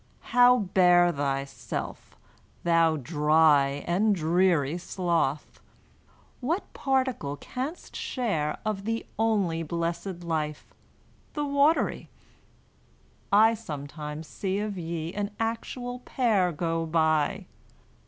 How bear thyself, thou dry And dreary sloth? What particle canst share Of the only blessed life, the watery? I sometimes see of ye an actual pair Go by!